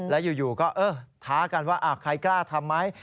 แล้วอยู่ก็ท้ากันว่าใครกล้าทำไหม